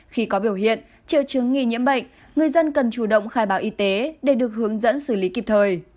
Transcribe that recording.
khi có biểu hiện triệu chứng nghi nhiễm bệnh người dân cần chủ động khai báo y tế để được hướng dẫn xử lý kịp thời